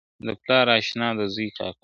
د پلار اشنا د زوی کاکا `